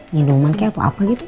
ngiduman kek atau apa gitu